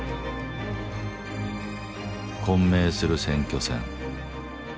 混迷する選挙戦。